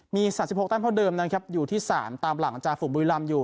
มีสามสิบหกแต้มเท่าเดิมนะครับอยู่ที่สามตามหลังจาฝุ่มบุรีลำอยู่